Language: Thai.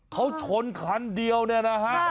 เขาชนคันเดียวเนี่ยนะฮะ